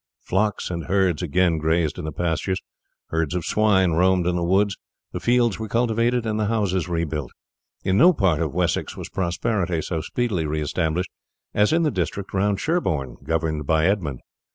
Flocks and herds again grazed in the pastures, herds of swine roamed in the woods, the fields were cultivated, and the houses rebuilt. In no part of Wessex was prosperity so speedily re established as in the district round Sherborne governed by Edmund.